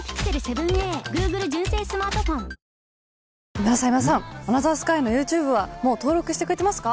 今田さん今田さん『アナザースカイ』のＹｏｕＴｕｂｅはもう登録してくれてますか？